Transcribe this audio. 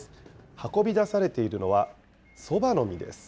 運び出されているのは、そばの実です。